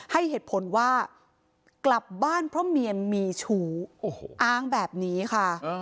ให้เหตุผลว่ากลับบ้านเพราะเมียมีชู้อ้างแบบนี้ค่ะ